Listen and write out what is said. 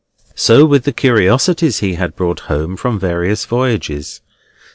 So with the curiosities he had brought home from various voyages.